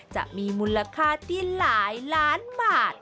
จะมีมูลค่าที่หลายล้านบาท